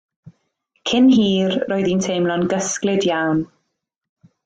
Cyn hir roedd hi'n teimlo'n gysglyd iawn.